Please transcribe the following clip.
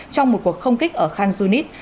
trong một cuộc không kích ở khanzunit